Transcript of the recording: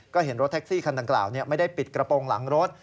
ก็เห็นรถแท็กซี่คันดังกล่าวไม่ได้ปิดกระโปรงหลังรถ